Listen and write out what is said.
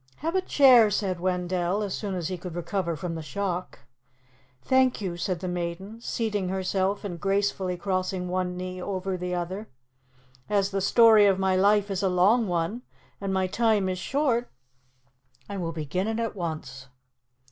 "Have a chair," said Wendell as soon as he could recover from the shock. "Thank you," said the maiden, seating herself and gracefully crossing one knee over the other. "As the story of my life is a long one and my time is short, I will begin it at once."